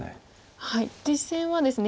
実戦はですね